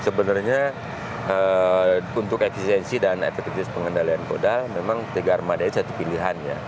sebenarnya untuk efisiensi dan efektivitas pengendalian koda memang tiga armada i satu pilihannya